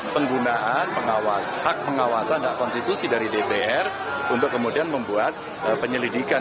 penggunaan pengawas hak pengawasan hak konstitusi dari dpr untuk kemudian membuat penyelidikan